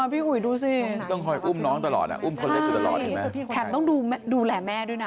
พี่ห่วยดูเซ